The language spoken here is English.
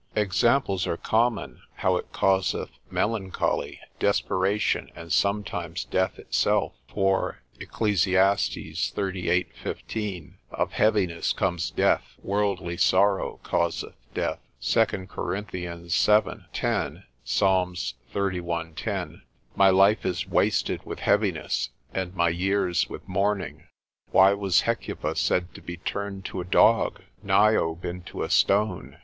Examples are common, how it causeth melancholy, desperation, and sometimes death itself; for (Eccles. xxxviii. 15,) Of heaviness comes death; worldly sorrow causeth death. 2 Cor. vii. 10, Psalm xxxi. 10, My life is wasted with heaviness, and my years with mourning. Why was Hecuba said to be turned to a dog? Niobe into a stone?